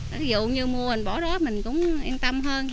ví dụ như mua mình bỏ đó mình cũng yên tâm hơn